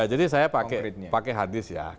ya jadi saya pakai hadis ya